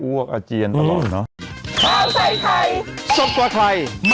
อ้วกอาเจียนอร่อยนะ